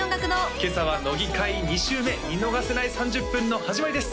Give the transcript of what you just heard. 今朝は乃木回２週目見逃せない３０分の始まりです